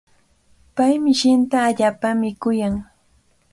Pay mishinta allaapami kuyan.